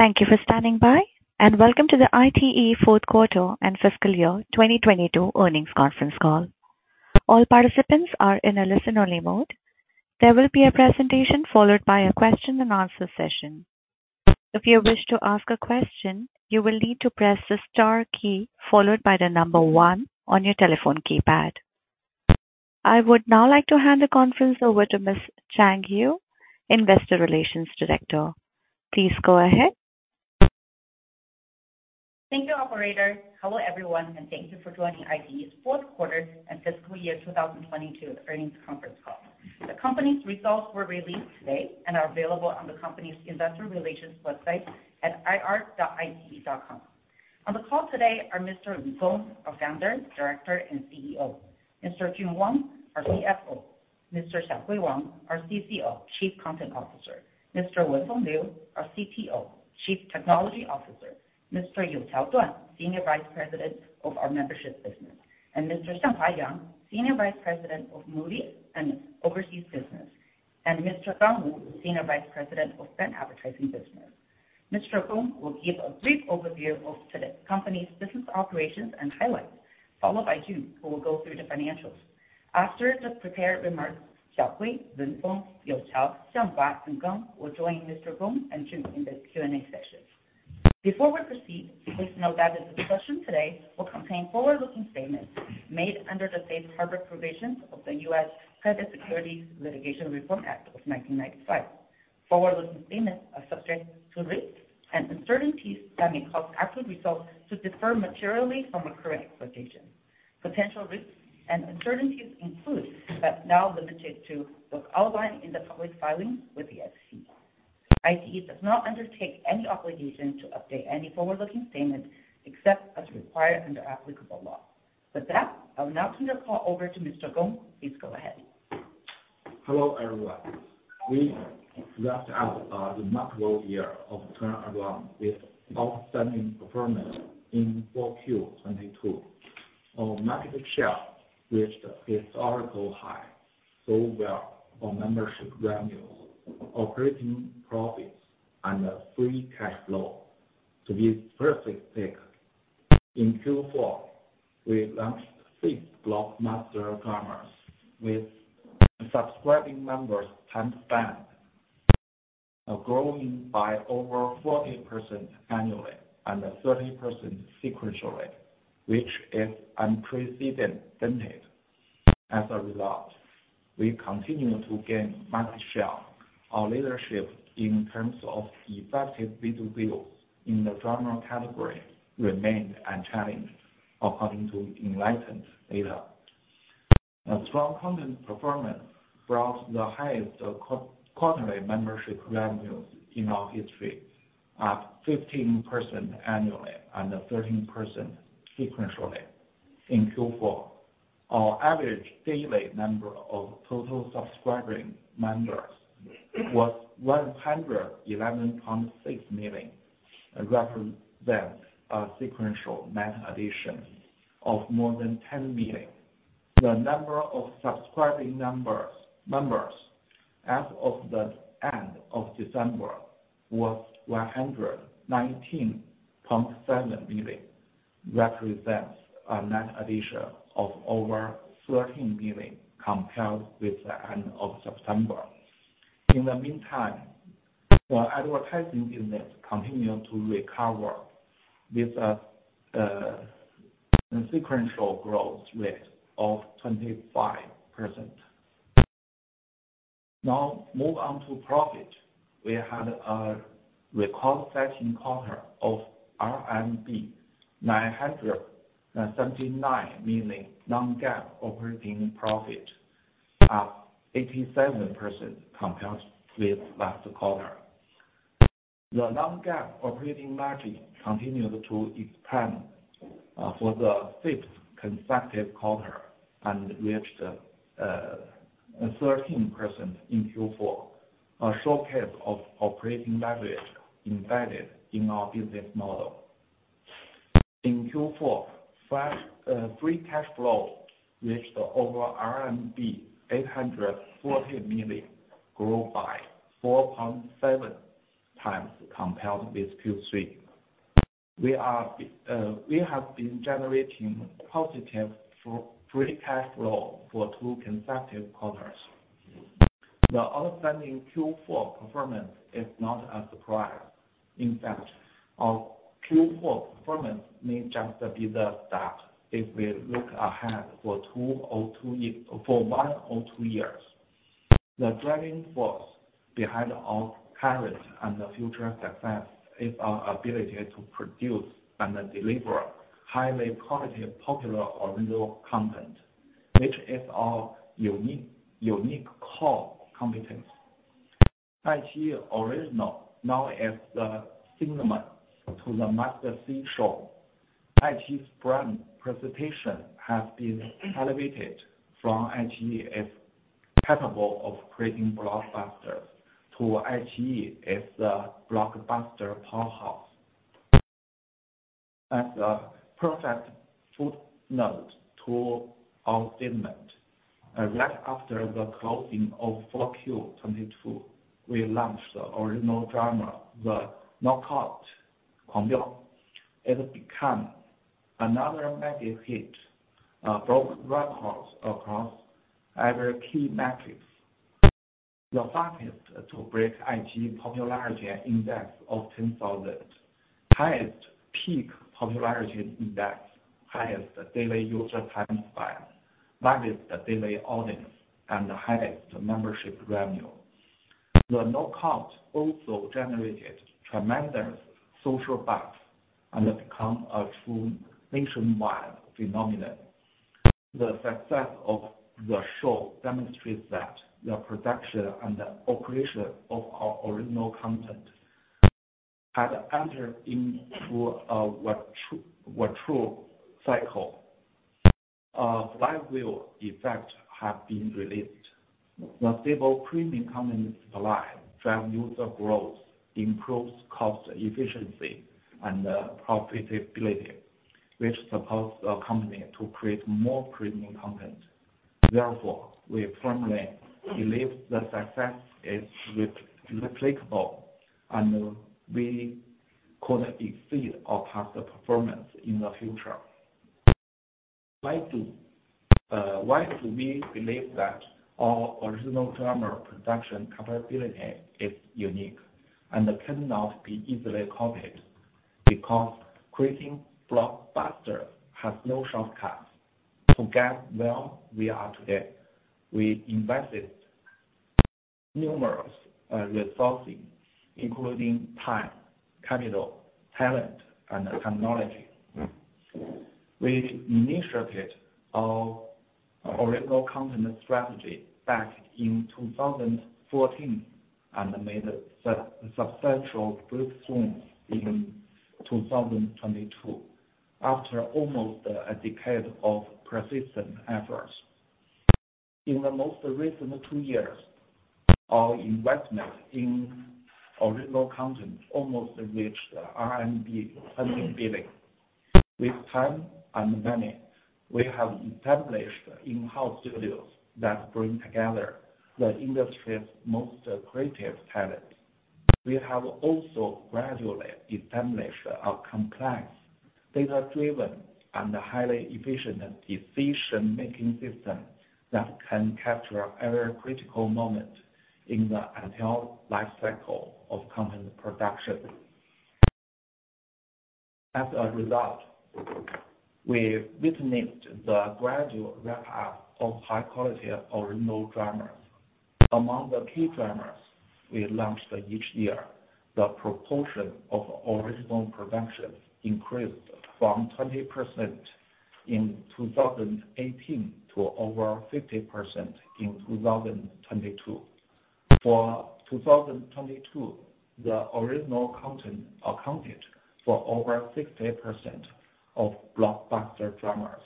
Thank you for standing by, and welcome to the iQIYI Q4 and Fiscal Year 2022 Earnings Conference Call. All participants are in a listen-only mode. There will be a presentation followed by a question and answer session. I would now like to hand the conference over to Ms. Chang Yu, Investor Relations Director. Please go ahead. Thank you, operator. Hello, everyone, and thank you for joining iQIYI's Q4 and Fiscal Year 2022 Earnings Conference Call. The company's results were released today and are available on the company's investor relations website at ir.iqiyi.com. On the call today are Mr. Yu Gong, our Founder, Director and CEO. Mr. Jun Wang, our CFO. Mr. Xiaohui Wang, our CCO, Chief Content Officer. Mr. Wenfeng Liu, our CTO, Chief Technology Officer. Mr. Youqiao Duan, Senior Vice President of our membership business. Mr. Xianghua Yang, Senior Vice President of movie and overseas business. Mr. Gang Wu, Senior Vice President of brand advertising business. Mr. Gong will give a brief overview of today's company's business operations and highlights, followed by Jun, who will go through the financials. After the prepared remarks, Xiaohui, Wenfeng, Youqiao, Xianghua, and Gang will join Mr. Gong and Jun in the Q&A session. Before we proceed, please note that the discussion today will contain forward-looking statements made under the safe harbor provisions of the US Private Securities Litigation Reform Act of 1995. Forward-looking statements are subject to risks and uncertainties that may cause actual results to differ materially from our current expectations. Potential risks and uncertainties include, but not limited to those outlined in the public filings with the SEC. iQIYI does not undertake any obligation to update any forward-looking statements, except as required under applicable law. With that, I'll now turn the call over to Mr. Gong. Please go ahead. Hello, everyone. We wrapped up the macro year of turnaround with outstanding performance in Q4 2022. Our market share reached a historical high, so were our membership revenues, operating profits, and free cash flow. To be specific, in Q4, we launched six blockbuster dramas with subscribing members time spent growing by over 40% annually and 13% sequentially, which is unprecedented. As a result, we continue to gain market share our leadership in terms of effective video views in the drama category remained unchallenged according to Endata data. A strong content performance brought the highest quarterly membership revenues in our history, at 15% annually and 13% sequentially. In Q4, our average daily number of total subscribing members was 111.6 million, represents a sequential net addition of more than 10 million. The number of subscribing numbers as of the end of December was 119.7 million, represents a net addition of over 13 million compared with the end of September. In the meantime, our advertising business continued to recover with a sequential growth rate of 25%. Move on to profit we had a record-setting quarter of RMB 979 million non-GAAP operating profit, up 87% compared with last quarter. The non-GAAP operating margin continued to expand for the fifth consecutive quarter and reached 13% in Q4, a showcase of operating leverage embedded in our business model. In Q4, free cash flow reached over RMB 840 million, grew by 4.7 times compared with Q3. We have been generating positive free cash flow for two consecutive quarters. The outstanding Q4 performance is not a surprise. In fact, our Q4 performance may just be the start if we look ahead for one or two years. The driving force behind our current and the future success is our ability to produce and deliver highly quality, popular original content, which is our unique core competence. iQIYI Original, known as the synonym to the must-see show, iQIYI's brand reputation has been elevated from iQIYI as capable of creating blockbusters to iQIYI as the blockbuster powerhouse. As a perfect footnote to our statement, right after the closing of 4Q 2022, we launched the original drama, The Knockout 狂飙. It become another major hit, broke records across every key metrics. The fastest to break iQIYI Popularity Index of 10,000, highest peak popularity index, highest daily user time spent, largest daily audience, and highest membership revenue. The Knockout also generated tremendous social buzz and become a true nationwide phenomenon. The success of the show demonstrates that the production and the operation of our original content had entered into a virtue cycle. Flywheel effect have been released. The stable premium content supply, drive user growth, improves cost efficiency and profitability, which supports the company to create more premium content. We firmly believe the success is replicable, and we could exceed our past performance in the future. Why do we believe that our original drama production capability is unique and cannot be easily copied? Creating blockbusters has no shortcuts. To get where we are today, we invested numerous resourcing, including time, capital, talent, and technology. We initiated our original content strategy back in 2014 and made sub-substantial breakthroughs in 2022 after almost a decade of persistent efforts. In the most recent two years, our investment in original content almost reached the RMB 10 billion. With time and money, we have established in-house studios that bring together the industry's most creative talents. We have also gradually established a complex, data-driven, and highly efficient decision-making system that can capture every critical moment in the entire life cycle of content production. As a result, we witnessed the gradual ramp-up of high-quality original dramas. Among the key dramas we launched each year, the proportion of original production increased from 20% in 2018 to over 50% in 2022. For 2022, the original content accounted for over 60% of blockbuster dramas,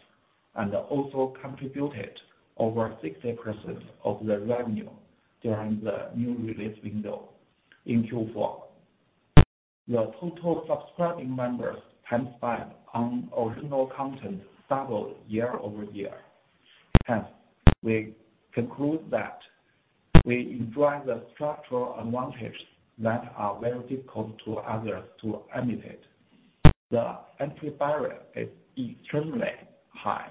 and also contributed over 60% of the revenue during the new release window in Q4. The total subscribing members spent on original content doubled year-over-year. Hence, we conclude that we enjoy the structural advantages that are very difficult to others to imitate. The entry barrier is extremely high.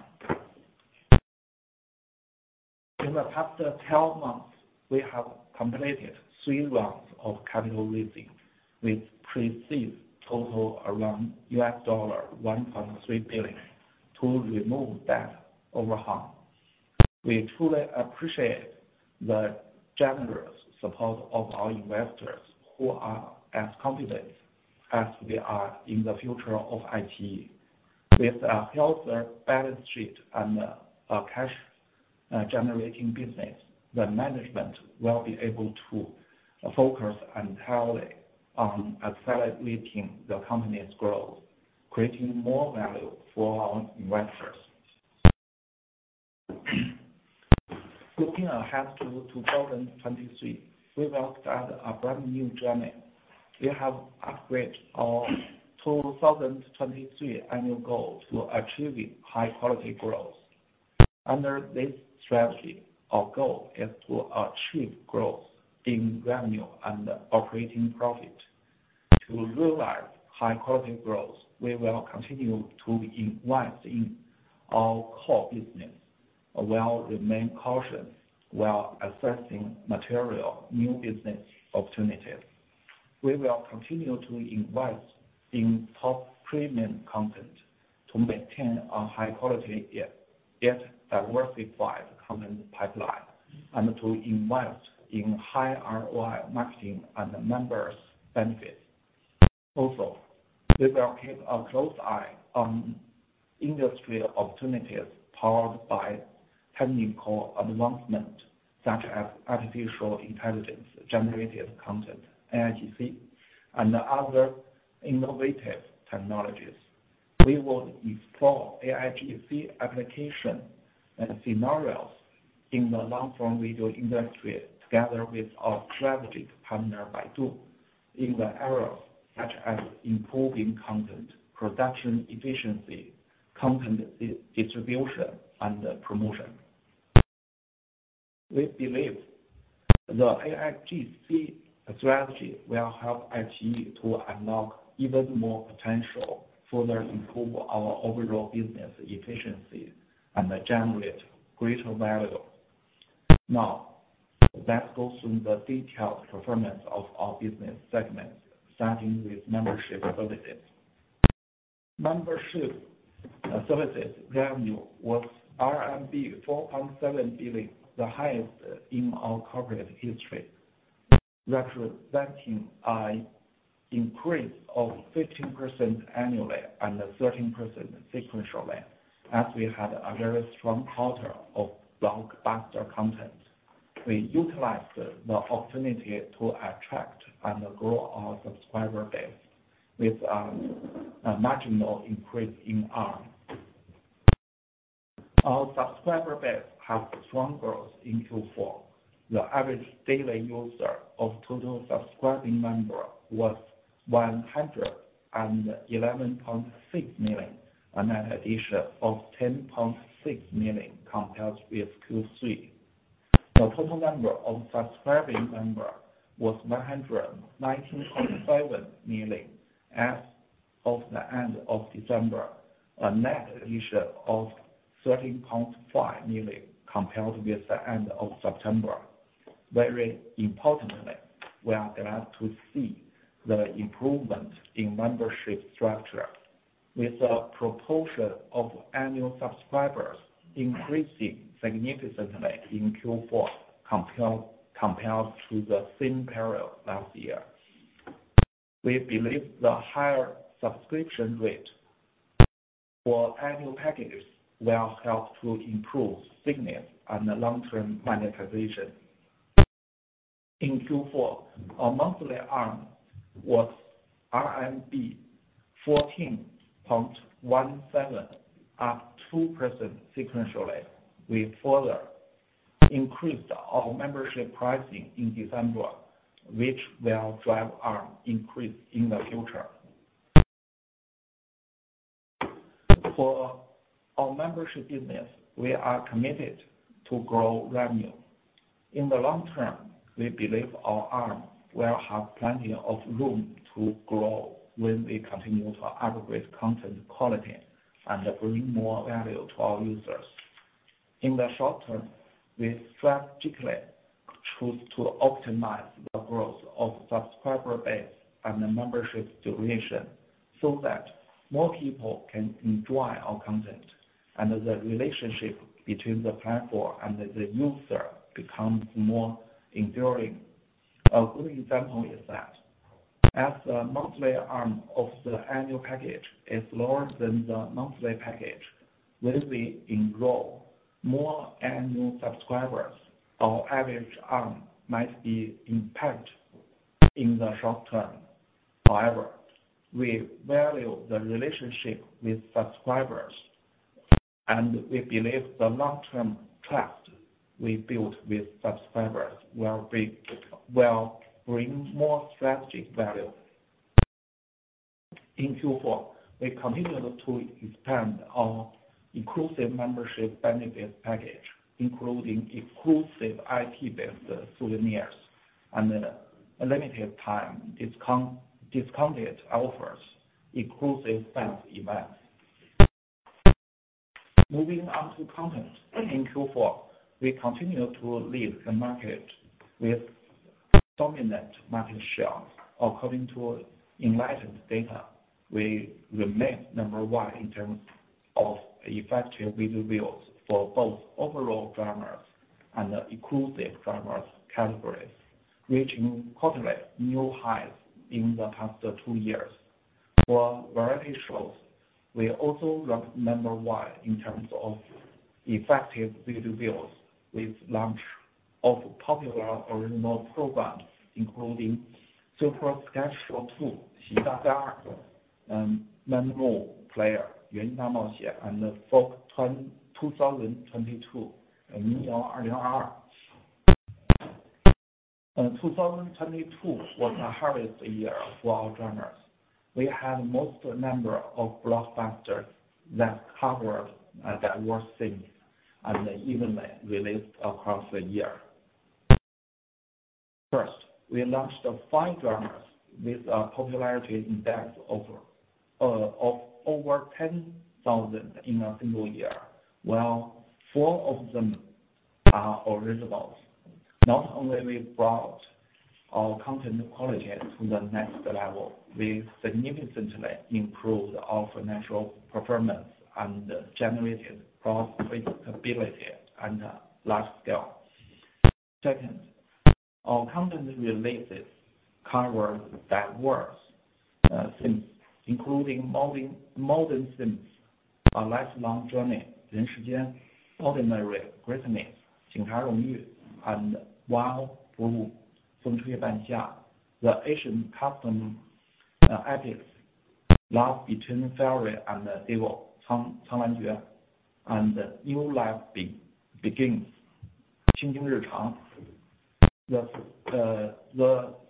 In the past 12 months, we have completed three rounds of capital raising. We've received total around $1.3 billion to remove debt overhang. We truly appreciate the generous support of our investors who are as confident as we are in the future of iQIYI. With a healthier balance sheet and a cash generating business, the management will be able to focus entirely on accelerating the company's growth, creating more value for our investors. Looking ahead to 2023, we will start a brand new journey. We have upgraded our 2023 annual goal to achieving high quality growth. Under this strategy, our goal is to achieve growth in revenue and operating profit. To realize high quality growth, we will continue to invest in our core business, while remain cautious while assessing material new business opportunities. We will continue to invest in top premium content to maintain a high quality yet diversified content pipeline, and to invest in high ROI marketing and members benefit. Also, we will keep a close eye on industry opportunities powered by technical advancement, such as artificial intelligence, generated content, AIGC, and other innovative technologies. We will explore AIGC application and scenarios. In the long term video industry, together with our strategic partner, Baidu, in the areas such as improving content, production efficiency, content distribution, and promotion. We believe the AIGC strategy will help iQIYI to unlock even more potential, further improve our overall business efficiency, and generate greater value. Now, let's go through the detailed performance of our business segments, starting with membership services. Membership services revenue was RMB 4.7 billion, the highest in our corporate history, representing a increase of 15% annually and 13% sequentially as we had a very strong quarter of blockbuster content. We utilized the opportunity to attract and grow our subscriber base with a marginal increase in ARPU. Our subscriber base had strong growth in Q4. The average daily user of total subscribing member was 111.6 million, a net addition of 10.6 million compared with Q3. The total number of subscribing member was 919.7 million as of the end of December, a net addition of 13.5 million compared with the end of September. Very importantly, we are glad to see the improvement in membership structure, with the proportion of annual subscribers increasing significantly in Q4 compared to the same period last year. We believe the higher subscription rate for annual packages will help to improve signals and the long-term monetization. In Q4, our monthly ARPU was RMB 14.17, up 2% sequentially. We further increased our membership pricing in December, which will drive ARPU increase in the future. For our membership business, we are committed to grow revenue. In the long term, we believe our ARPU will have plenty of room to grow when we continue to aggregate content quality and bring more value to our users. In the short term, we strategically choose to optimize the growth of subscriber base and the membership duration so that more people can enjoy our content and the relationship between the platform and the user becomes more enduring. A good example is that as the monthly ARPU of the annual package is lower than the monthly package, when we enroll more annual subscribers, our average ARPU might be impacted in the short term. We value the relationship with subscribers, and we believe the long-term trust we built with subscribers will bring more strategic value. In Q4, we continued to expand our inclusive membership benefit package, including exclusive IP-based souvenirs and a limited time discounted offers, exclusive fan events. Moving on to content. In Q4, we continued to lead the market with dominant market share. According to Endata data, we remained number one in terms of effective video views for both overall dramas and exclusive dramas categories, reaching quarterly new highs in the past two years. For variety shows, we also ranked number one in terms of effective video views with launch of popular original programs, including Super Sketch Show S2, And Memory Player, And Folk 2022. 2022 was the hardest year for our dramas. We had most number of blockbusters that covered the worst scene and evenly released across the year. First, we launched five dramas with a Popularity Index of over 10,000 in a single year, while four of them are originals. Not only we brought our content quality to the next level, we significantly improved our financial performance and generated profitability and large scale. Second, our company released its cover that was including Modern Sims, A Lifelong Journey, Ordinary Greatness, Wow! The Asian Custom Epics Love Between Fairy and Devil, 苍兰 诀, and New Life Begins, 新京日 常. The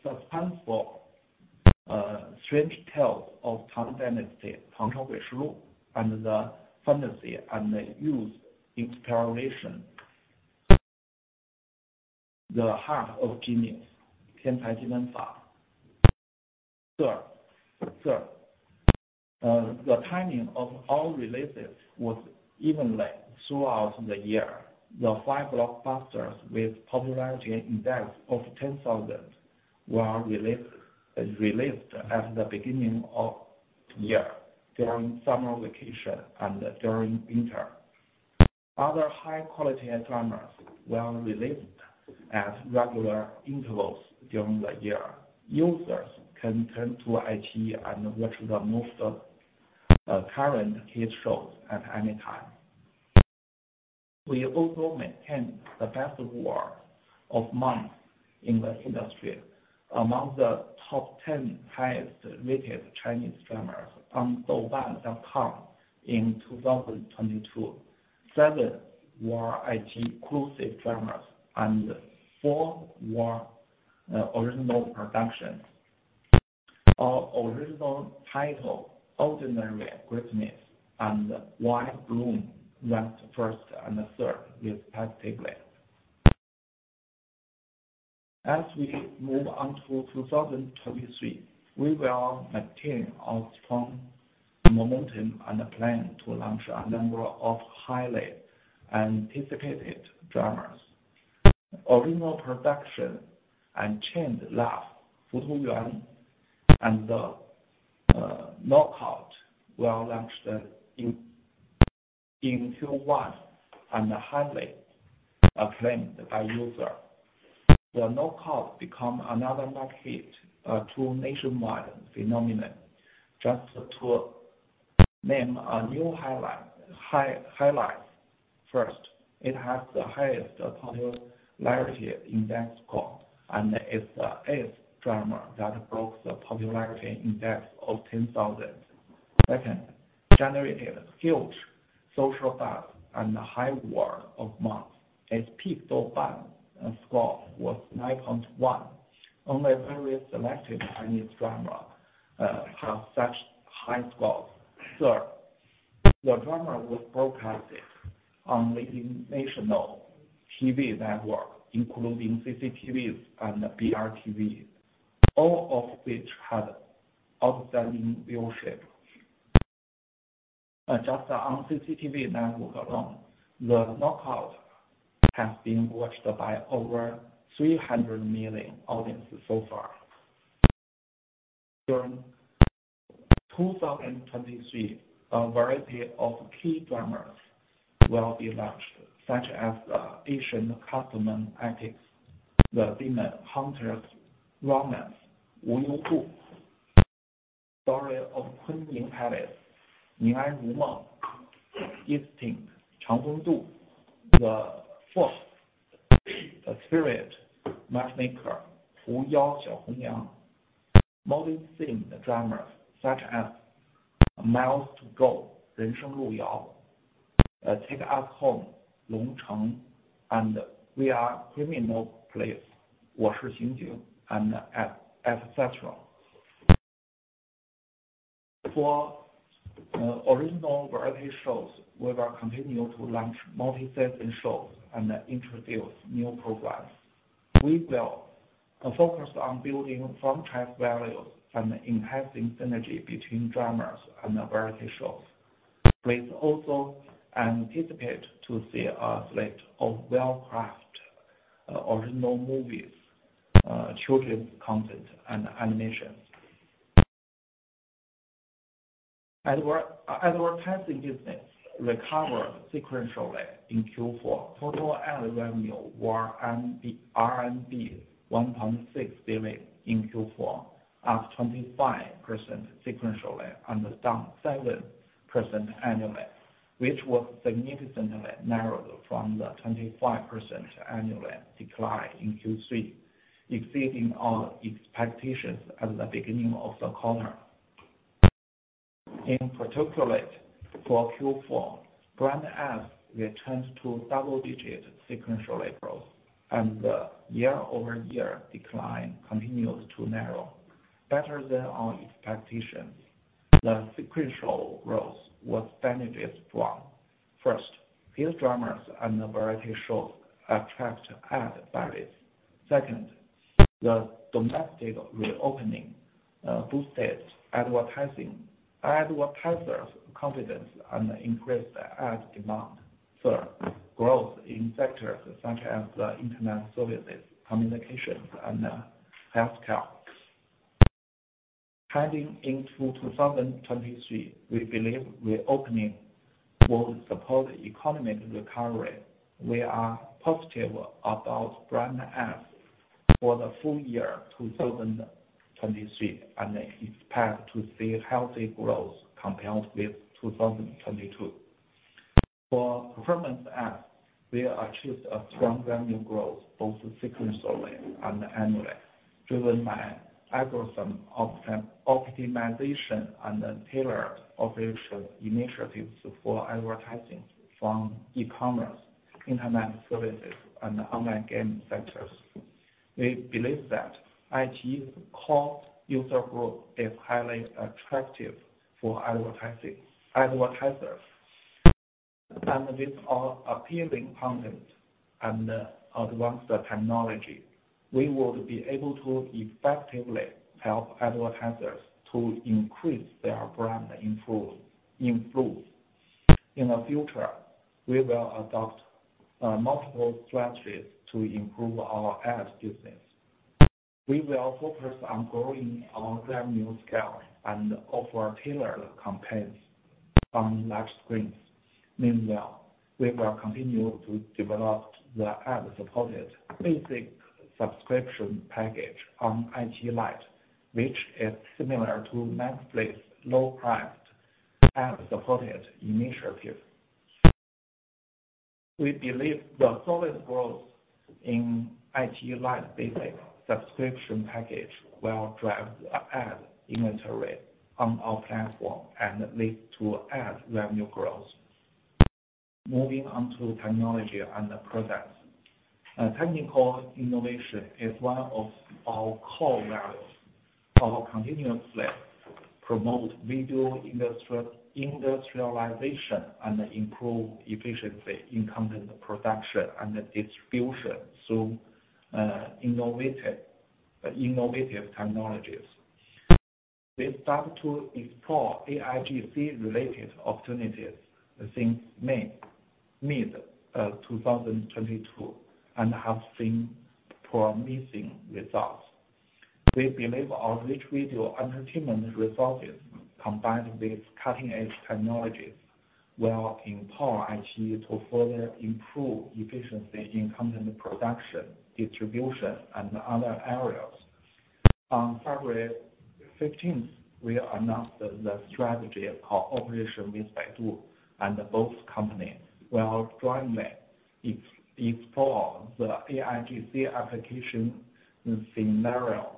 suspenseful Strange Tales of Tang Dynasty, 唐朝诡事 录, and the fantasy and the youth exploration, The Heart of Genius, 天才基本 法. Third, the timing of all releases was evenly throughout the year. The five blockbusters with Popularity Index of 10,000 were released at the beginning of year, during summer vacation, and during winter. Other high quality dramas were released at regular intervals during the year. Users can turn to iQIYI and watch the most current hit shows at any time. We also maintain the best word of mouth in the industry. Among the top 10 highest rated Chinese dramas on Douban.com in 2022, seven were iQIYI exclusive dramas, and four were original productions. Our original title, Ordinary Greatness, and White Bloom, ranked first and third, respectively. As we move on to 2023, we will maintain our strong momentum and plan to launch a number of highly anticipated dramas. Original production, Unchained Love, 浮图 缘, and The Knockout, were launched in Q1 and highly acclaimed by user. The Knockout become another megahit to nationwide phenomenon. Just to name a new highlight. First, it has the highest Popularity Index score, and it's the eighth drama that broke the Popularity Index of 10,000. Second, generated huge social buzz and high word of mouth. Its peak Douban score was 9.1. Only very selected Chinese drama have such high scores. Third, the drama was broadcasted on the national TV network, including CCTV and BRTV, all of which had outstanding viewership. Just on CCTV network alone, The Knockout has been watched by over 300 million audience so far. During 2023, a variety of key dramas will be launched, such as Ancient Custom and Epics, The Demon Hunter's Romance, 无忧 渡, Story of Kunning Palace, 宁安如 梦, Destined, 长风 渡, Fox Spirit Matchmaker, 狐妖小红娘. Modern themed dramas such as Miles to Go, 人生之路, Take Us Home, 龙城, and We Are Criminal Police, 我是刑警, et cetera. Original variety shows, we will continue to launch multi-season shows and introduce new programs. We will focus on building franchise value and enhancing synergy between dramas and variety shows. Please also anticipate to see a slate of well-crafted original movies, children's content, and animation. Advertising business recovered sequentially in Q4. Total ad revenue were RMB 1.6 billion in Q4, up 25% sequentially and down 7% annually, which was significantly narrowed from the 25% annual decline in Q3, exceeding our expectations at the beginning of the quarter. In particular for Q4, brand ads returned to double-digit sequential growth, and the year-over-year decline continues to narrow, better than our expectations. The sequential growth was benefited from, first, hit dramas and variety shows attract ad buyers. Second, the domestic reopening boosted advertising, advertisers' confidence, and increased ad demand. Third, growth in sectors such as internet services, communications and healthcare. Heading into 2023, we believe reopening will support economy recovery. We are positive about brand ads for the full year 2023, and expect to see healthy growth compared with 2022. For performance ads, we achieved a strong revenue growth both sequentially and annually, driven by algorithm optimization and tailored operational initiatives for advertising from e-commerce, internet services, and online game sectors. We believe that iQIYI's core user group is highly attractive for advertisers. With our appealing content and advanced technology, we will be able to effectively help advertisers to increase their brand influence. In the future, we will adopt multiple strategies to improve our ads business. We will focus on growing our revenue scale and offer tailored campaigns on large screens. Meanwhile, we will continue to develop the ad-supported basic subscription package on iQIYI Lite, which is similar to Netflix's low-priced ad-supported initiative. We believe the solid growth in iQIYI Lite basic subscription package will drive ad inventory on our platform and lead to ad revenue growth. Moving on to technology and the products. Technical innovation is one of our core values. Our continuously promote video industrialization and improve efficiency in content production and distribution through innovative technologies. We start to explore AIGC related opportunities since May, mid, 2022, and have seen promising results. We believe our rich video entertainment resources, combined with cutting-edge technologies, will empower iQIYI to further improve efficiency in content production, distribution, and other areas. On February 15th, we announced the strategy of cooperation with Baidu, and both companies will jointly explore the AIGC application scenario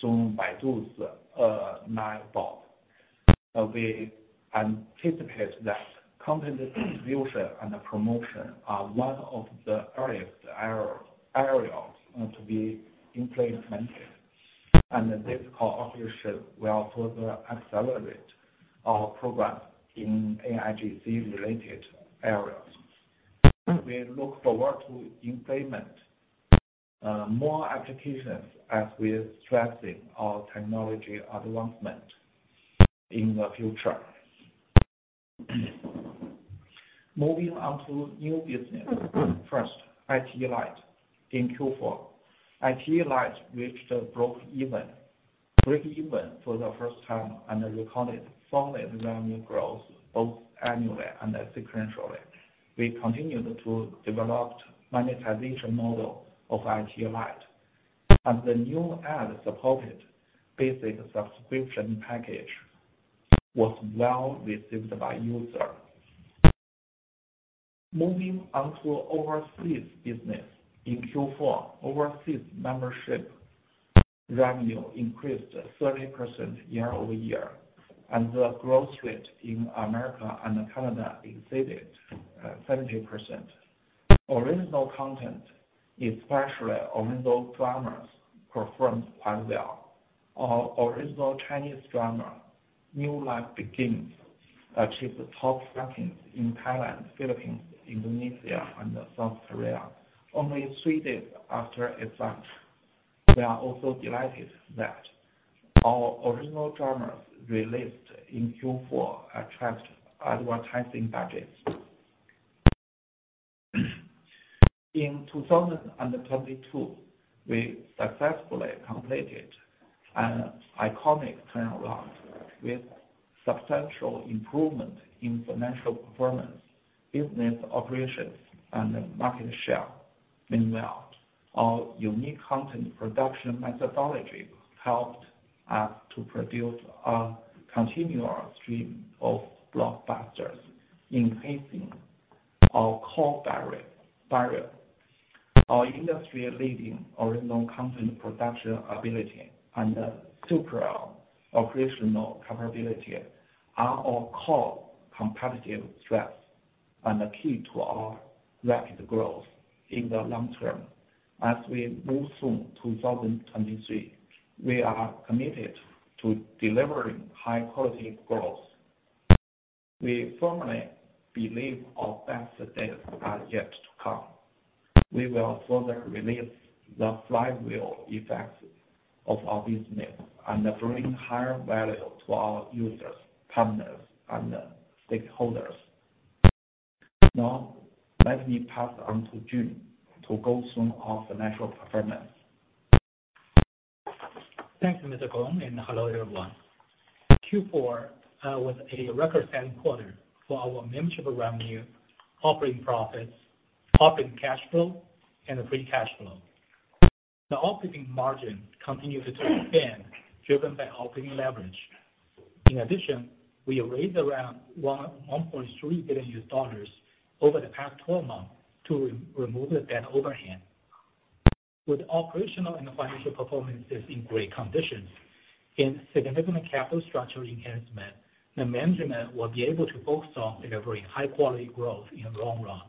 through Baidu's ERNIE Bot. We anticipate that content distribution and promotion are one of the earliest areas to be implemented, and this cooperation will further accelerate our progress in AIGC related areas. We look forward to implement more applications as we are stressing our technology advancement in the future. Moving on to new business. First, iQIYI Lite. In Q4, iQIYI Lite reached breakeven for the first time and recorded solid revenue growth both annually and sequentially. We continued to develop monetization model of iQIYI Lite, and the new ad-supported basic subscription package was well received by users. Moving on to overseas business. In Q4, overseas membership revenue increased 30% year-over-year, and the growth rate in America and Canada exceeded 70%. Original content, especially original dramas, performed quite well. Our original Chinese drama, New Life Begins, achieved top rankings in Thailand, Philippines, Indonesia, and South Korea only three days after its launch. We are also delighted that our original dramas released in Q4 attract advertising budgets. In 2022, we successfully completed an iconic turnaround with substantial improvement in financial performance, business operations, and market share. Meanwhile, our unique content production methodology helped us to produce a continuous stream of blockbusters, increasing our core barrier. Our industry-leading original content production ability and superior operational capability are our core competitive strengths and the key to our rapid growth in the long term. As we move through 2023, we are committed to delivering high-quality growth. We firmly believe our best days are yet to come. We will further release the flywheel effects of our business and bring higher value to our users, partners, and stakeholders. Now, let me pass on to Jun to go through our financial performance. Thanks, Mr. Gong, hello, everyone. Q4 was a record-setting quarter for our membership revenue, operating profits, operating cash flow, and free cash flow. The operating margin continues to expand driven by operating leverage. In addition, we raised around $1.3 billion over the past 12 months to remove the debt overhang. With operational and financial performances in great conditions and significant capital structure enhancement, the management will be able to focus on delivering high quality growth in the long run.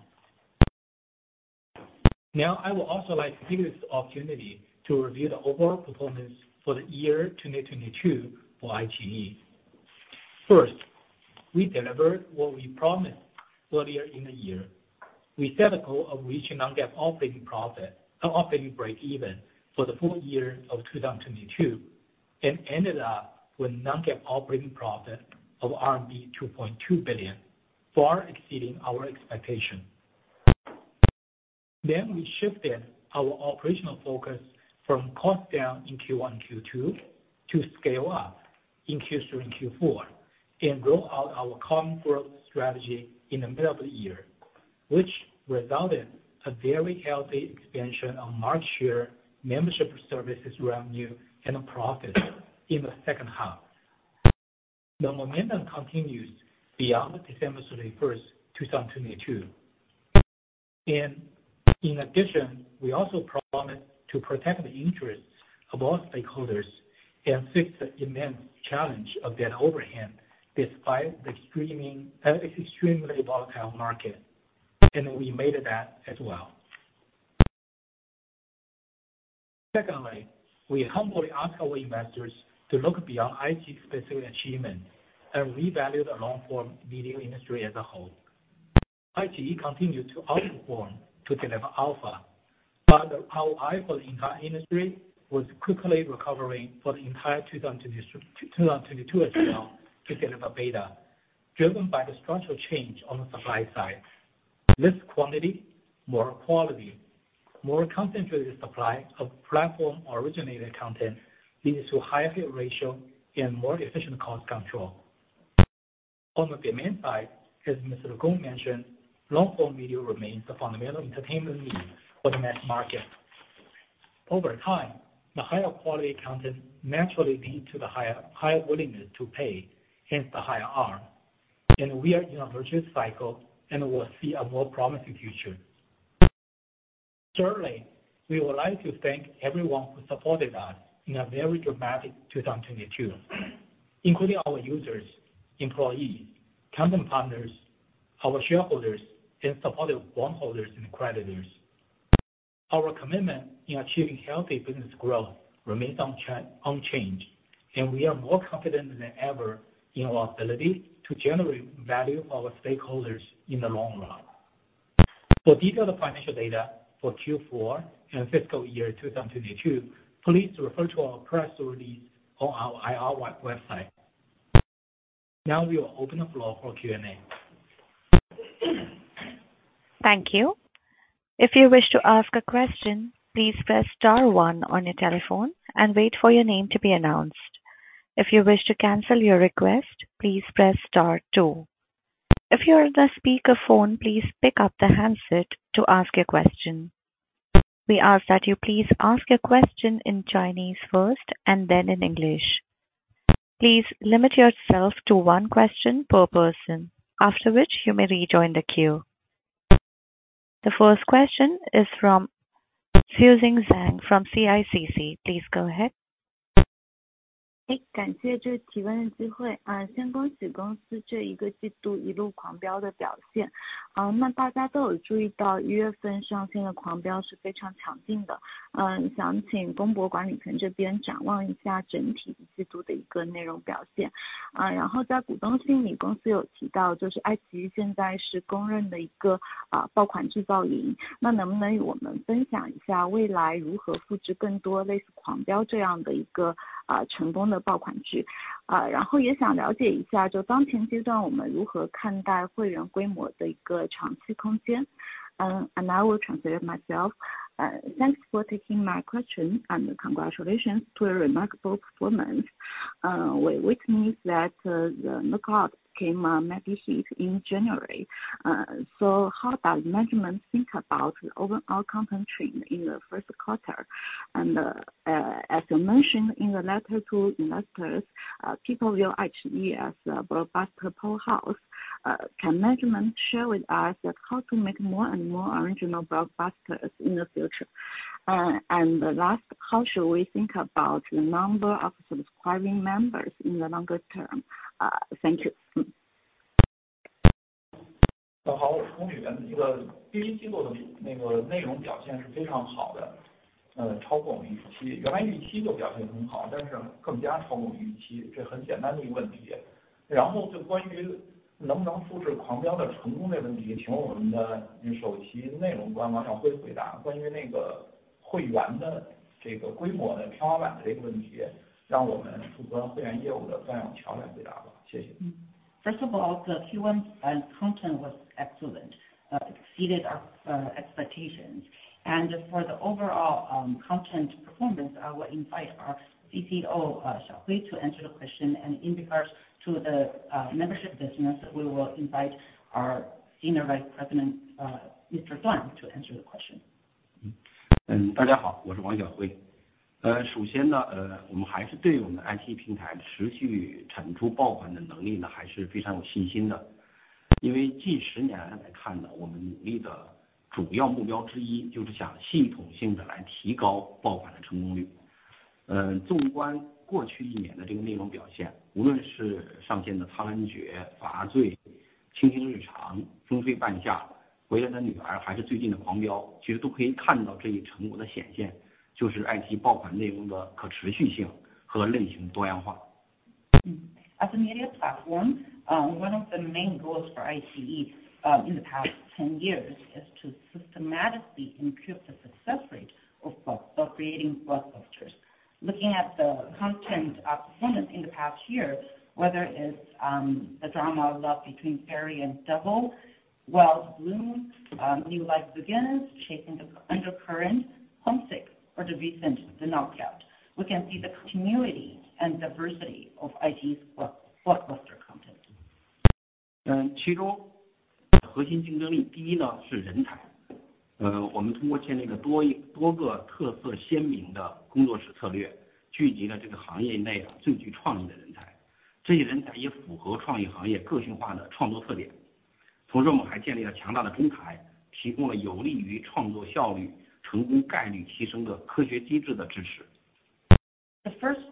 I would also like to take this opportunity to review the overall performance for the year 2022 for iQIYI. First, we delivered what we promised earlier in the year. We set a goal of reaching non-GAAP operating profit and operating breakeven for the full year of 2022 and ended up with non-GAAP operating profit of RMB 2.2 billion, far exceeding our expectation. We shifted our operational focus from cost down in Q1, Q2 to scale up in Q3 and Q4, and roll out our calm growth strategy in the middle of the year, which resulted a very healthy expansion of market share, membership services revenue and profit in the second half. The momentum continues beyond 31 December 2022. In addition, we also promised to protect the interests of all stakeholders and fix the immense challenge of debt overhang despite the extremely volatile market and we made that as well. Secondly, we humbly ask our investors to look beyond iQIYI's specific achievement and revalue the long form video industry as a whole. iQIYI continued to outperform to deliver alpha, but our eye for the entire industry was quickly recovering for the entire 2022 as well to deliver beta, driven by the structural change on the supply side. Less quantity, more quality. More concentrated supply of platform originated content leads to higher view ratio and more efficient cost control. On the demand side, as Mr. Gong mentioned, long form video remains the fundamental entertainment need for the mass market. Over time, the higher quality content naturally lead to the higher willingness to pay, hence the higher ARPU. We are in a virtuous cycle and will see a more promising future. Thirdly, we would like to thank everyone who supported us in a very dramatic 2022, including our users, employees, content partners, our shareholders and supporter bondholders and creditors. Our commitment in achieving healthy business growth remains unchanged. We are more confident than ever in our ability to generate value for our stakeholders in the long run. For detailed financial data for Q4 and fiscal year 2022, please refer to our press release on our IR website. We will open the floor for Q&A. Thank you. The first question is from Xueqing Zhang from CICC. Please go ahead. I will translate myself. Thanks for taking my question and congratulations to a remarkable performance. We see that The Knockout came a mighty heat in January. How does management think about the overall content trend in the Q1? As you mentioned in the letter to investors, people view iQIYI as a blockbuster powerhouse. Can management share with us that how to make more and more original blockbusters in the future? Last, how should we think about the number of subscribing members in the longer term? Thank you. First of all, the Q1 content was excellent. Exceeded our expectations. For the overall content performance, I will invite our CCO Xiaohui to answer the question. In regards to the membership business, we will invite our Senior Vice President Mr. Duan to answer the question. 嗯， 大家 好， 我是王晓晖。呃， 首先 呢， 呃， 我们还是对我们 iQ 平台持续产出爆款的能力 呢， 还是非常有信心的。因为近十年来看 呢， 我们努力的主要目标之一就是想系统性地来提高爆款的成功率。呃， 纵观过去一年的这个内容表 现， 无论是上线的《苍兰诀》、《罚罪》、《卿卿日常》、《东妃半夏》、《回来的女儿》还是最近的《狂飙》，其实都可以看到这一成果的显 现， 就是 iQ 爆款内容的可持续性和类型的多样化。As a media platform, one of the main goals for iQIYI in the past 10 years is to systematically improve the success rate of creating blockbusters. Looking at the content performance in the past year, whether is the drama Love Between Fairy and Devil, Wild Bloom, New Life Begins, Chasing the Undercurrent, Homesick, or the recent The Knockout. We can see the continuity and diversity of iQIYI's blockbuster content. 嗯， 其中核心竞争力第一 呢， 是人才。呃， 我们通过建立的 多， 多个特色鲜明的工作室策 略， 聚集了这个行业内最具创意的人 才， 这些人才也符合创意行业个性化的创作特点。同时我们还建立了强大的中 台， 提供了有利于创作效率成功概率提升的科学机制的支持。The first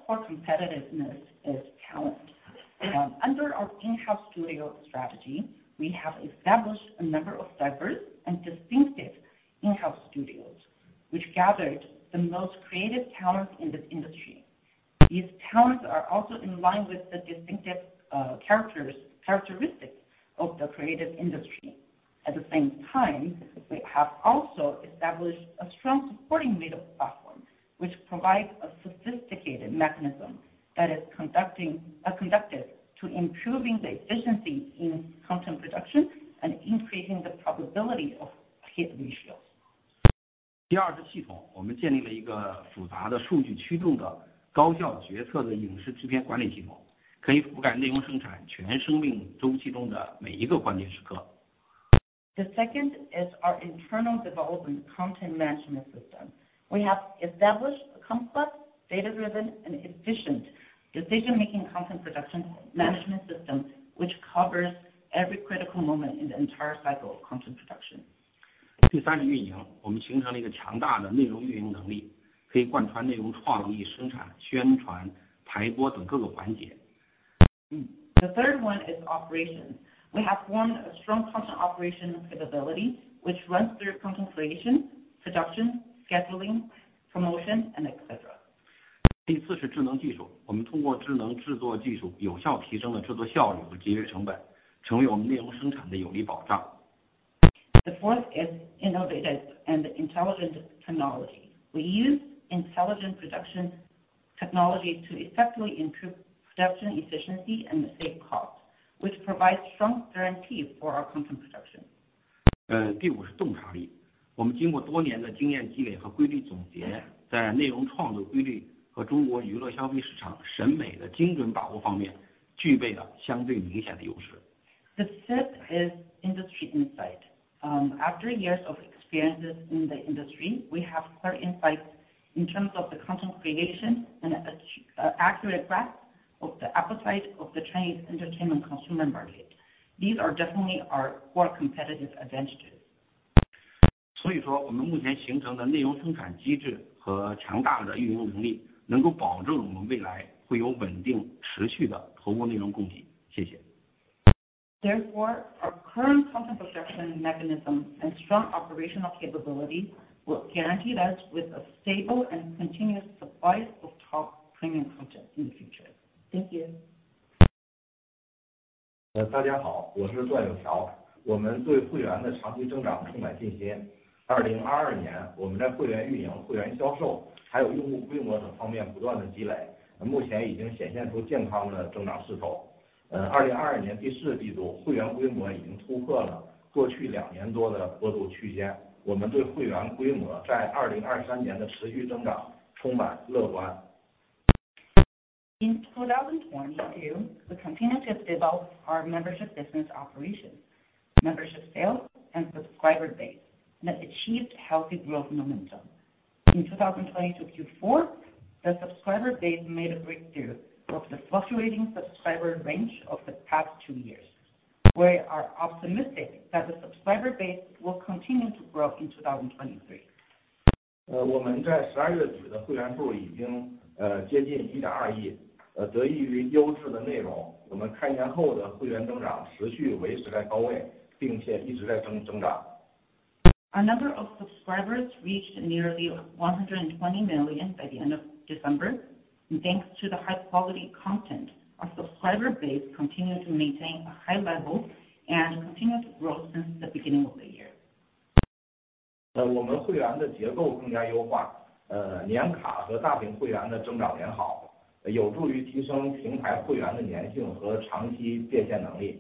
core competitiveness is talent. Under our in-house studio strategy, we have established a number of diverse and distinctive in-house studios, which gathered the most creative talents in this industry. These talents are also in line with the distinctive characteristics of the creative industry. At the same time, we have also established a strong supporting middle platform, which provides a sophisticated mechanism that is conducted to improving the efficiency in content production and increasing the probability of hit ratios. 第二是系统。我们建立了一个复杂的数据驱动的高效决策的影视制片管理系 统， 可以覆盖内容生产全生命周期中的每一个关键时刻。The second is our internal development content management system. We have established a complex, data-driven and efficient decision-making content production management system, which covers every critical moment in the entire cycle of content production. 第三是运 营. 我们形成了一个强大的内容运营能 力, 可以贯穿内容创意、生产、宣传、排播等各个环 节. The third one is operation. We have formed a strong content operation capability, which runs through content creation, production, scheduling, promotion and et cetera. 第四是智能技 术. 我们通过智能制作技 术， 有效提升了制作效率和节约成 本， 成为我们内容生产的有力保 障. The fourth is innovative and intelligent technology. We use intelligent production technology to effectively improve production efficiency and save costs, which provides strong guarantee for our content production. 第五是洞察力。我们经过多年的经验积累和规律总 结， 在内容创作规律和中国娱乐消费市场审美的精准把握方面具备了相对明显的优势。The fifth is industry insight. After years of experiences in the industry, we have clear insights in terms of the content creation and accurate grasp of the appetite of the Chinese entertainment consumer market. These are definitely our core competitive advantages. 所以说我们目前形成的内容生产机制和强大的运营能 力, 能够保证我们未来会有稳定持续的头部内容供 给. 谢 谢. Our current content production mechanism and strong operational capability will guarantee us with a stable and continuous supply of top premium content in the future. Thank you. 呃， 大家 好， 我是段有桥。我们对会员的长期增长充满信心。2022 年， 我们在会员运营、会员销 售， 还有用户规模等方面不断地积 累， 目前已经显现出健康的增长势头。呃 ，2022 年第四季度会员规模已经突破了过去两年多的波动区间。我们对会员规模在2023年的持续增长充满乐观。In 2022, we continued to develop our membership business operations, membership sales, and subscriber base that achieved healthy growth momentum. In 2022Q4, the subscriber base made a breakthrough of the fluctuating subscriber range of the past two years. We are optimistic that the subscriber base will continue to grow in 2023. 我们在12月举的会员数已 经， 接近 1.2 亿。得益于优质的内 容， 我们开年后的会员增长持续维持在高 位， 并且一直在增长。Our number of subscribers reached nearly 120 million by the end of December. Thanks to the high quality content, our subscriber base continued to maintain a high level and continued growth since the beginning of the year. 呃， 我们会员的结构更加优 化， 呃， 年卡和大屏会员的增长良 好， 有助于提升平台会员的粘性和长期变现能力。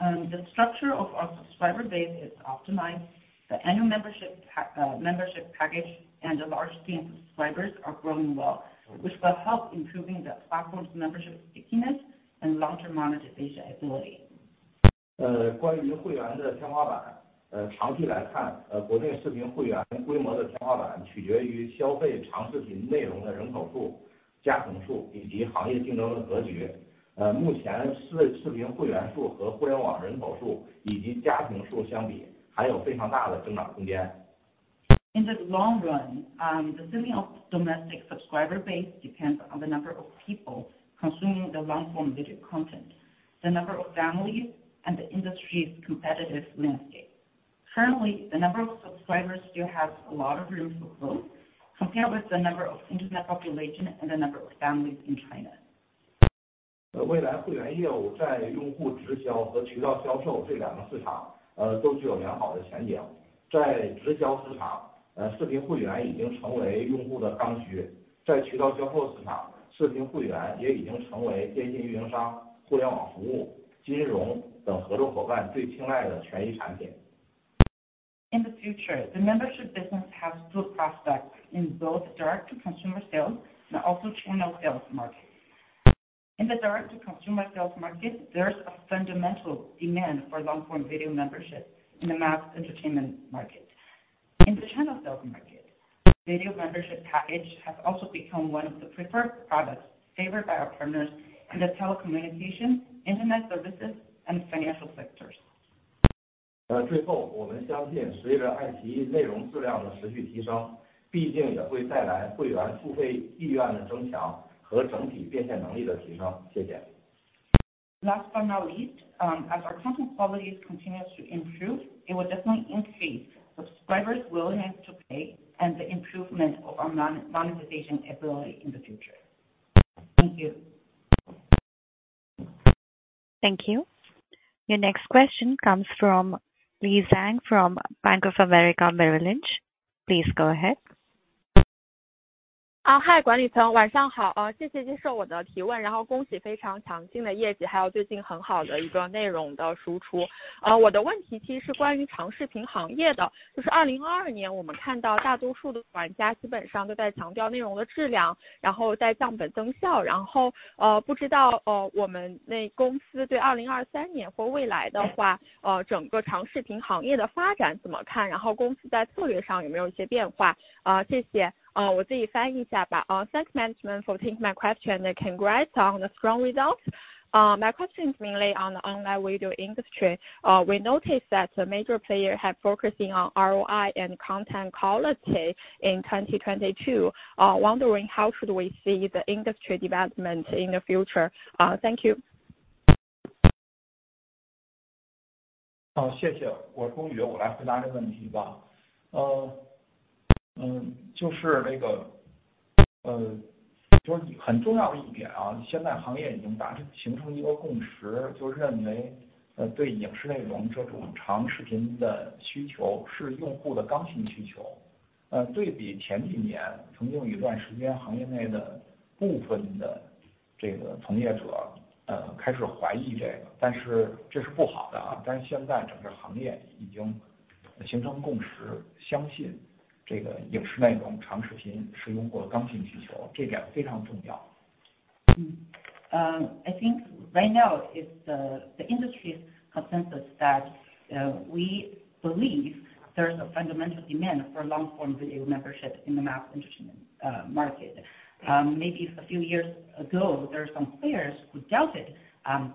The structure of our subscriber base is optimized. The annual membership package, and the large team subscribers are growing well, which will help improving the platform's membership stickiness and long-term monetization ability. 关于会员的天花 板, 长期来 看, 国内视频会员规模的天花板取决于消费长视频内容的人口 数, 家庭数以及行业竞争的格 局. 目前视频会员数和互联网人口数以及家庭数相 比, 还有非常大的增长空 间. In the long run, the ceiling of domestic subscriber base depends on the number of people consuming the long form video content, the number of families and the industry's competitive landscape. Currently, the number of subscribers still has a lot of room for growth compared with the number of Internet population and the number of families in China. 未来会员业务在用户直销和渠道销售这两个市场呃都具有良好的前景。在直销市 场， 呃视频会员已经成为用户的刚需。在渠道销售市 场， 视频会员也已经成为电信运营商、互联网服务、金融等合作伙伴最青睐的权益产品。In the future, the membership business has good prospects in both direct to consumer sales and also channel sales markets. In the direct to consumer sales market, there's a fundamental demand for long form video membership in the mass entertainment market. In the channel sales market, video membership package has also become one of the preferred products favored by our partners in the telecommunication, Internet services and financial sectors. 呃最 后， 我们相信随着爱奇艺内容质量的持续提 升， 毕竟也会带来会员付费意愿的增强和整体变现能力的提升。谢谢。Last but not least, as our content quality continues to improve, it will definitely increase subscribers willingness to pay and the improvement of our monetization ability in the future. Thank you. Thank you. Your next question comes from Eddie Leung from Bank of America Merrill Lynch. Please go ahead. 啊 Hi， 管理层晚上 好， 谢谢接受我的提 问， 然后恭喜非常强劲的业 绩， 还有最近很好的一个内容的输出。呃我的问题其实是关于长视频行业 的， 就是2022年我们看到大多数的玩家基本上都在强调内容的质 量， 然后在降本增 效， 然后呃不知道呃我们那公司对2023年或未来的 话， 整个长视频行业的发展怎么 看， 然后公司在策略上有没有一些变 化？ 啊谢谢。啊我自己翻译一下吧。Thanks management for taking my question, congrats on the strong results. My question is mainly on online video industry. We notice that the major player have focusing on ROI and content quality in 2022. Wondering how should we see the industry development in the future? Thank you. 好， 谢谢。我来回答这个问题吧。就是那个就是很重要的一 点， 现在行业已经达成形成一个共 识， 就认为对影视内容这种长视频的需求是用户的刚性需求。对比前几 年， 曾经有一段时间行业内的部分的这个从业者开始怀疑这 个， 这是不好的。现在整个行业已经形成共 识， 相信这个影视内 容， 长视频是用户的刚性需 求， 这点非常重要。I think right now it's the industry's consensus that, we believe there's a fundamental demand for long-form video membership in the mass entertainment, market. Maybe a few years ago, there are some players who doubted,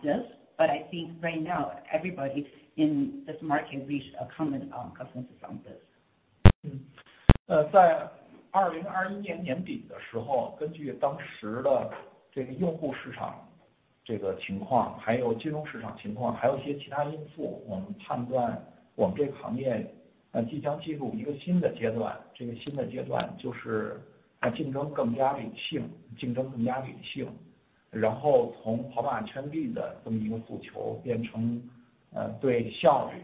this, but I think right now everybody in this market reached a common, consensus on this. 嗯呃在2021年年底的时 候， 根据当时的这个用户市场这个情 况， 还有金融市场情 况， 还有一些其他因 素， 我们判断我们这个行业呃即将进入一个新的阶 段， 这个新的阶段就是竞争更加理 性， 竞争更加理性。然后从跑马圈地的这么一个诉求变成呃对效 率，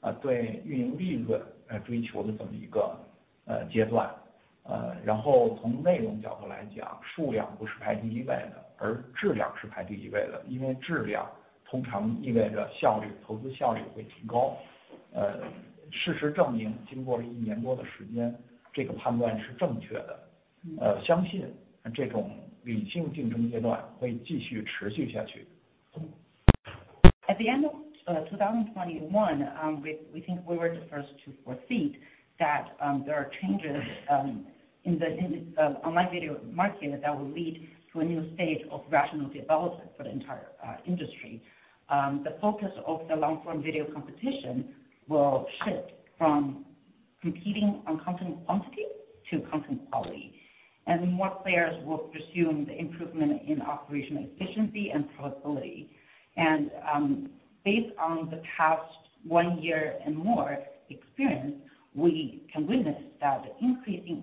啊对运营利润来追求的这么一个呃阶段。呃然后从内容角度来 讲， 数量不是排第一位 的， 而质量是排第一位 的， 因为质量通常意味着效 率， 投资效率会提高。呃事实证 明， 经过了一年多的时 间， 这个判断是正确的。呃相信这种理性竞争阶段会继续持续下去。At the end of 2021, we think we were the first to foresee that there are changes in the online video market that will lead to a new stage of rational development for the entire industry. The focus of the long form video competition will shift from competing on content quantity to content quality, and more players will pursue the improvement in operational efficiency and profitability. Based on the past one year and more experience, we can witness that increasing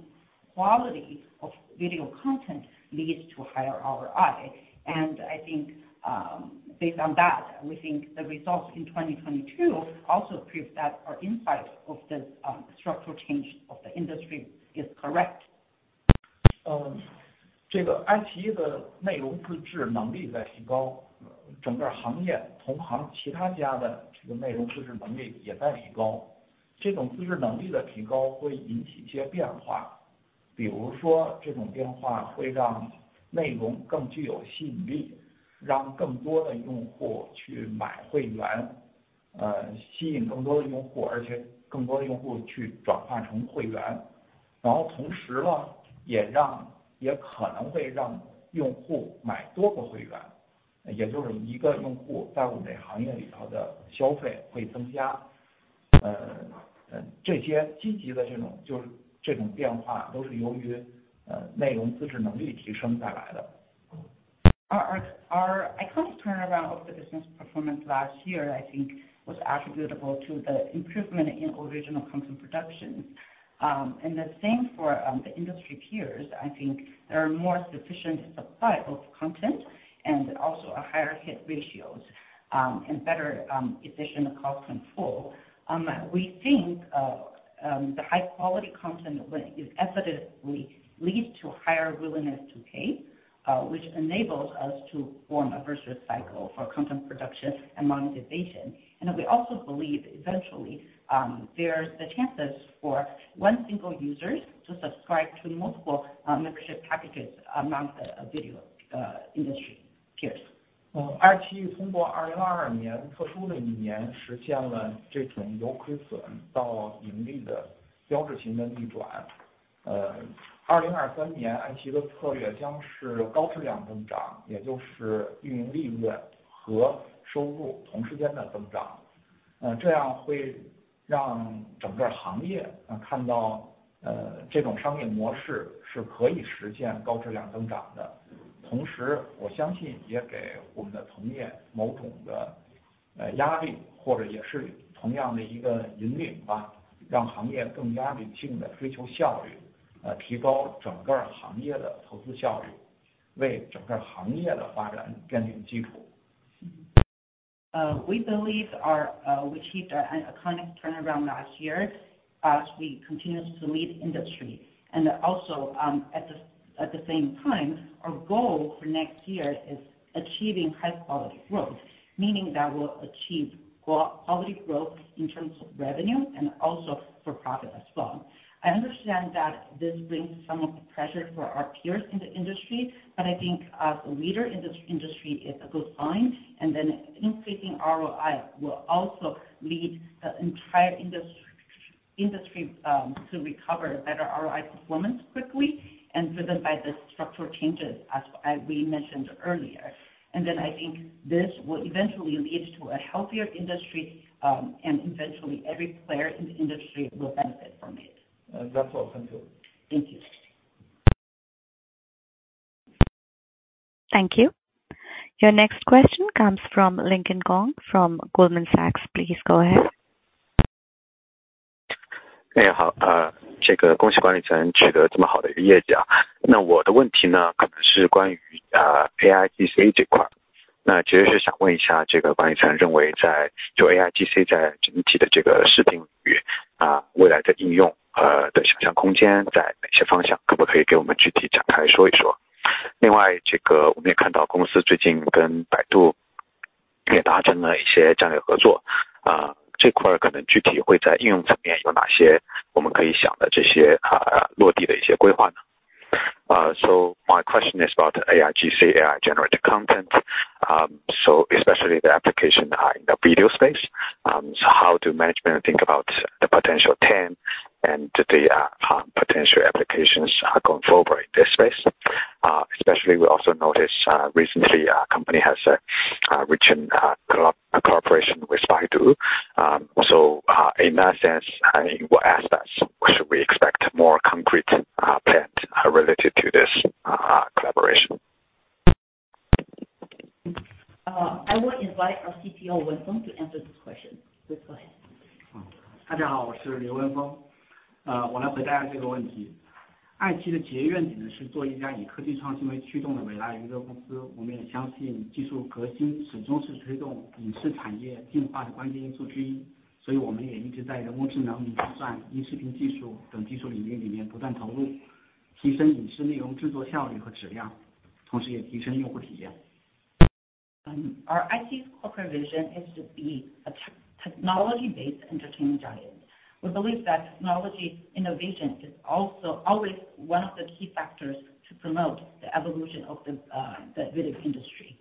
quality of video content leads to higher ROI. I think, based on that, we think the results in 2022 also proves that our insight of this structural change of the industry is correct. 这个爱奇艺的内容自制能力在提 高， 整个行业同行其他家的这个内容自制能力也在提 高， 这种自制能力的提高会引起一些变化比如说这种变化会让内容更具有吸引 力， 让更多的用户去买会 员， 吸引更多的用 户， 而且更多的用户去转化成会 员， 然后同时 呢， 也 让， 也可能会让用户买多个会 员， 也就是一个用户在我们行业里头的消费会增加。这些积极的这 种， 就是这种变化都是由 于， 内容自制能力提升带来的。Our economic turnaround of the business performance last year, I think was attributable to the improvement in original content production. The same for the industry peers, I think there are more sufficient supply of content and also a higher hit ratios, and better efficient cost control. We think of the high quality content when is effectively leads to higher willingness to pay, which enables us to form a virtuous cycle for content production and monetization. We also believe eventually, there's the chances for one single users to subscribe to multiple membership packages among the video industry peers. iQIYI 通过2022年特殊的一年实现了这种由亏损到盈利的标志性的逆 转. 2023年 iQIYI 的策略将是高质量增 长, 也就是运营利润和收入同时间的增 长. 这样会让整个行 业, 看 到, 这种商业模式是可以实现高质量增长 的. 同时我相信也给我们的同业某种 的, 压 力, 或者也是同样的一个引领 吧, 让行业更大力地去追求效 率, 提高整个行业的投资效 率, 为整个行业的发展奠定基 础. We believe we achieved our economic turnaround last year as we continue to lead industry. At the same time, our goal for next year is achieving high quality growth, meaning that we'll achieve quality growth in terms of revenue and also for profit as well. I understand that this brings some of the pressure for our peers in the industry, but I think as a leader industry, it's a good sign. Increasing ROI will also lead the entire industry to recover better ROI performance quickly and driven by the structural changes, as we mentioned earlier. I think this will eventually lead to a healthier industry, and eventually every player in the industry will benefit from it. That's all. Thank you. Thank you. Thank you. Your next question comes from Lincoln Kong from Goldman Sachs. Please go ahead. 好，这个恭喜管理层取得这么好的一个业绩。我的问题呢，可能是关于 AIGC 这块，其实是想问一下，这个管理层认为在就 AIGC 在整体的这个视频领域，未来的应用，的想象空间在哪些方向？可不可以给我们具体展开说一说？另外，这个我们也看到公司最近跟 Baidu 也达成了一些战略合作，这块可能具体会在应用层面有哪些我们可以想的这些，落地的规划呢？My question is about AIGC, AI-generated content, especially the application in the video space. How to management think about the potential trend and the potential applications going forward in this space? Especially we also notice recently our company has reached a collaboration with Baidu. In that sense, I mean what aspects should we expect more concrete plans related to this collaboration? I will invite our CTO Wenfeng to answer this question. Please go ahead. 大家 好， 我是刘文 丰， 呃， 我来回答这个问题。爱奇艺的企业愿景是做一家以科技创新为驱动的未来娱乐公司。我们也相信技术革新始终是推动影视产业进化的关键因素之 一， 所以我们也一直在人工智能、云计算、音视频技术等技术领域里面不断投 入， 提升影视内容制作效率和质 量， 同时也提升用户体验。Our iQIYI's core provision is to be a technology-based entertainment giant. We believe that technology innovation is also always one of the key factors to promote the evolution of the video industry.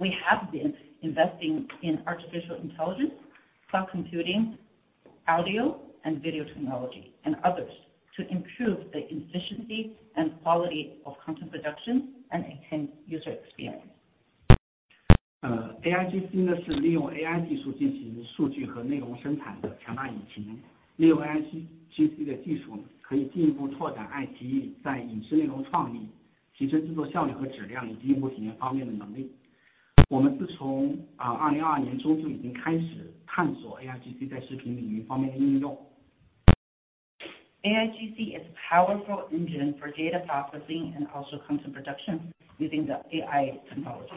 We have been investing in artificial intelligence, cloud computing, audio and video technology and others to improve the efficiency and quality of content production and enhance user experience. 呃 ，AIGC 是利用 AI 技术进行数据和内容生产的强大引擎。利用 AIGC 的技术可以进一步拓展爱奇艺在影视内容创意、提升制作效率和质量以及用户体验方面的能力。我们自从2022年中就已经开始探索 AIGC 在视频领域方面的应用。AIGC is a powerful engine for data processing and also content production using the AI technology.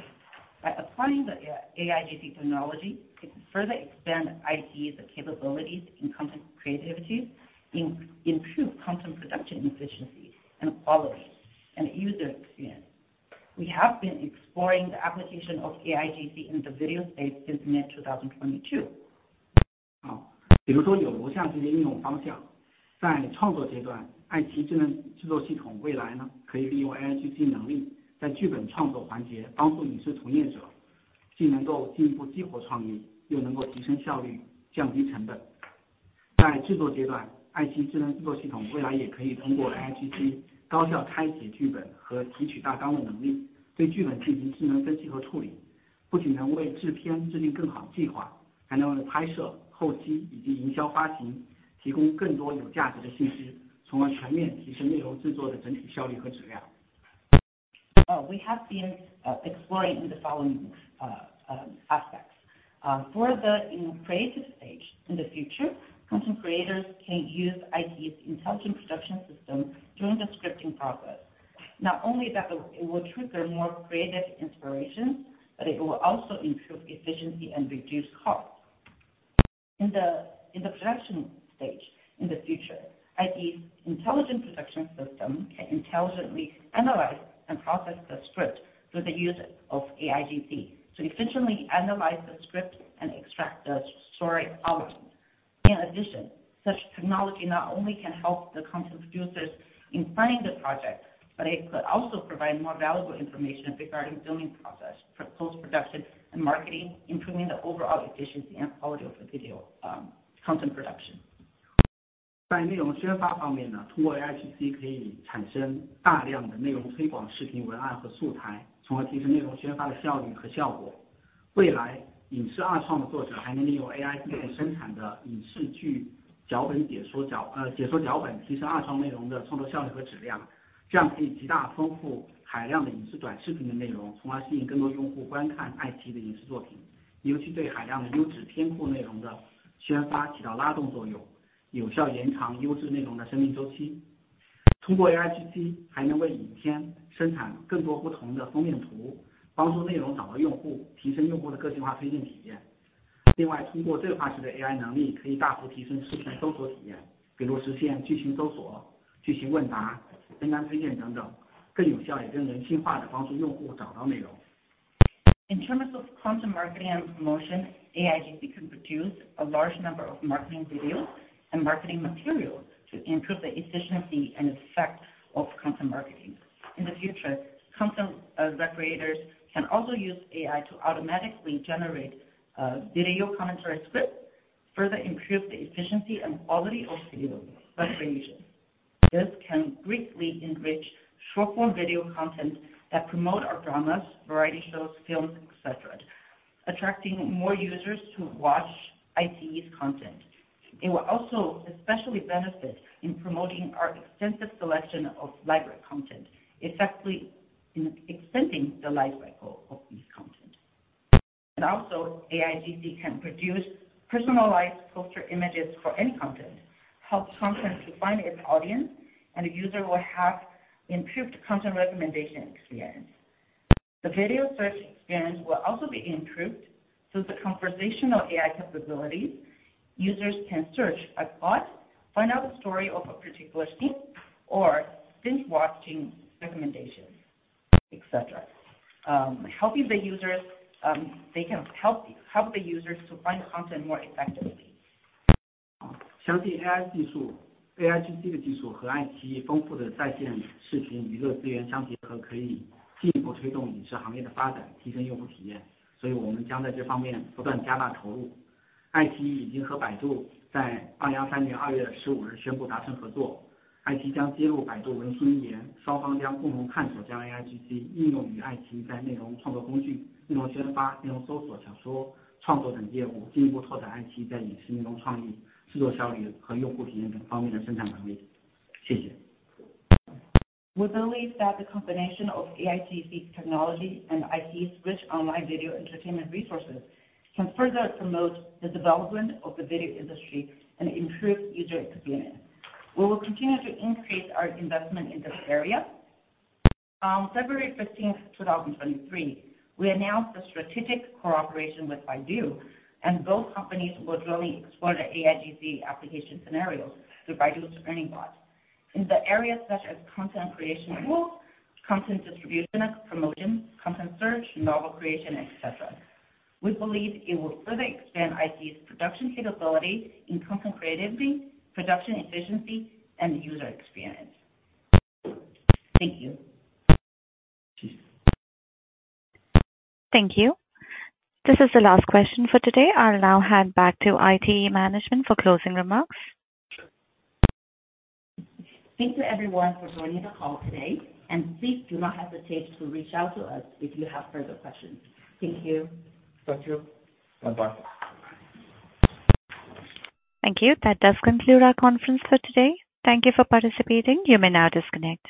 By applying the AIGC technology, it further expand iQIYI's capabilities in content creativity, improve content production efficiency and quality, and user experience. We have been exploring the application of AIGC in the video space since mid-2022. 比如说有如下这些应用方 向， 在创作阶 段， 爱奇艺智能制作系统未来 呢， 可以利用 AIGC 能力，在剧本创作环节帮助影视从业者既能够进一步激活创 意， 又能够提升效 率， 降低成本。在制作阶 段， 爱奇艺智能制作系统未来也可以通过 AIGC 高效拆解剧本和提取大纲的能 力， 对剧本进行智能分析和处 理， 不仅能为制片制定更好计 划， 还能为拍摄、后期以及营销发行提供更多有价值的信 息， 从而全面提升内容制作的整体效率和质量。We have been exploring the following aspects. For the creative stage in the future, content creators can use iQIYI's intelligent production system during the scripting process. Not only that, it will trigger more creative inspiration, but it will also improve efficiency and reduce costs. In the production stage in the future, iQIYI's intelligent production system can intelligently analyze and process the script through the use of AIGC to efficiently analyze the script and extract the story elements. In addition, such technology not only can help the content producers in planning the project, but it could also provide more valuable information regarding filming process for post-production and marketing, improving the overall efficiency and quality of the video content production. 在内容宣发方面 呢， 通过 AIGC 可以产生大量的内容推广视频文案和素 材， 从而提升内容宣发的效率和效果。未 来， 影视二创的作者还能利用 AIGC 生产的影视剧脚 本， 解说 脚， 呃， 解说脚 本， 提升二创内容的创作效率和质量。这样可以极大丰富海量的影视短视频的内 容， 从而吸引更多用户观看爱奇艺的影视作 品， 尤其对海量的优质片库内容的宣发起到拉动作用，有效延长优质内容的生命周期。通过 AIGC 还能为影片生产更多不同的封面 图， 帮助内容找到用 户， 提升用户的个性化推荐体验。另 外， 通过对话式的 AI 能 力， 可以大幅提升视频搜索体 验， 比如实现剧情搜索、剧情问答、分集推荐等 等， 更有效也更人性化地帮助用户找到内容。In terms of content marketing and promotion, AIGC can produce a large number of marketing videos and marketing materials to improve the efficiency and effect of content marketing. In the future, content creators can also use AI to automatically generate video commentary scripts, further improve the efficiency and quality of video creation. This can greatly enrich short-form video content that promote our dramas, variety shows, films, etc., attracting more users to watch iQIYI's content. It will also especially benefit in promoting our extensive selection of library content, effectively extending the life cycle of these content. Also, AIGC can produce personalized poster images for any content, help content to find its audience, and the user will have improved content recommendation experience. The video search experience will also be improved. Through the conversational AI capabilities, users can search a plot, find out the story of a particular scene or binge-watching recommendations, etc. helping the users, they can help the users to find content more effectively. 相信 AI 技术 ，AIGC 的技术和爱奇艺丰富的在线视频娱乐资源相结 合， 可以进一步推动影视行业的发 展， 提升用户体验。我们将在这方面不断加大投入。爱奇艺已经和百度在 2023年2月15日 宣布达成合 作， 爱奇艺将接入百度文心一 言， 双方将共同探索将 AIGC 应用与爱奇艺在内容创作工具、内容宣发、内容搜索、小说创作等业 务， 进一步拓展爱奇艺在影视内容创意、制作效率和用户体验等方面的生产能力。谢谢。We believe that the combination of AIGC technology and iQIYI's rich online video entertainment resources can further promote the development of the video industry and improve user experience. We will continue to increase our investment in this area. On 15 February 2023, we announced a strategic cooperation with Baidu. Both companies will jointly explore the AIGC application scenarios through Baidu's ERNIE Bot in the areas such as content creation tools, content distribution and promotion, content search, novel creation, etc. We believe it will further expand iQIYI's production capability in content creativity, production efficiency, and user experience. Thank you. Thank you. This is the last question for today. I'll now hand back to iQIYI management for closing remarks. Thank you everyone for joining the call today. Please do not hesitate to reach out to us if you have further questions. Thank you. Thank you. Bye bye. Thank you. That does conclude our conference for today. Thank you for participating. You may now disconnect.